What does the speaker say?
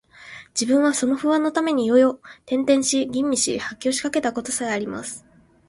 自分はその不安のために夜々、転輾し、呻吟し、発狂しかけた事さえあります